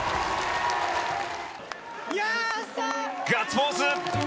ガッツポーズ！